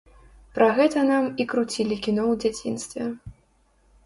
Пра гэта нам і круцілі кіно ў дзяцінстве.